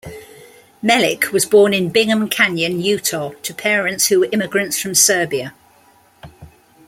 Melich was born in Bingham Canyon, Utah to parents who were immigrants from Serbia.